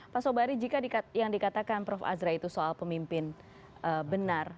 pak sobari jika yang dikatakan prof azra itu soal pemimpin benar